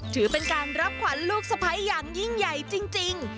ถือเป็นการรับขวัญลูกสะพ้ายอย่างยิ่งใหญ่จริง